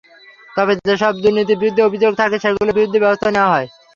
তবে যেসব দুর্নীতির বিরুদ্ধে অভিযোগ থাকে, সেগুলোর বিরুদ্ধে ব্যবস্থা নেওয়া হয়।